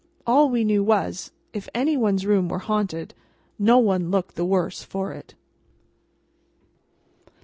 All we knew was, if any one's room were haunted, no one looked the worse for it.